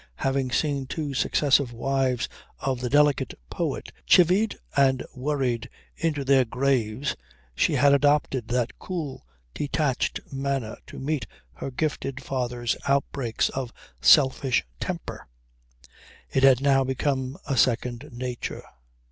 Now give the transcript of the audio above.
Having seen two successive wives of the delicate poet chivied and worried into their graves, she had adopted that cool, detached manner to meet her gifted father's outbreaks of selfish temper. It had now become a second nature.